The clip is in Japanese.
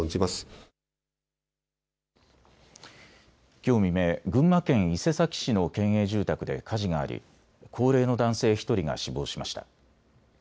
きょう未明、群馬県伊勢崎市の県営住宅で火事があり高齢の男性１人が死亡しました。